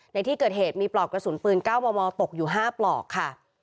ในที่เกิดเหตุมีปลอกกระสุนปืน๙มมตกอยู่๕ปลอกค่ะ